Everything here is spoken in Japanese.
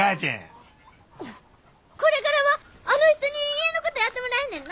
これからはあの人に家のことやってもらえんねんな。